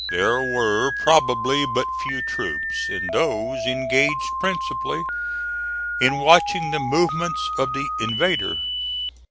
There were probably but few troops, and those engaged principally in watching the movements of the "invader."